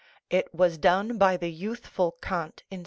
It was done by the youthful Kant in